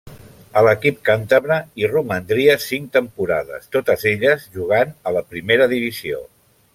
A l'equip càntabre hi romandria cinc temporades, totes elles jugant a la primera divisió.